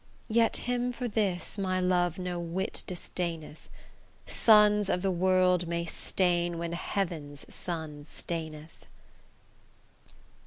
Yet him for this my love no whit disdaineth; Suns of the world may stain when heaven's sun staineth.